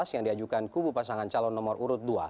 yang diajukan kubu pasangan calon nomor urut dua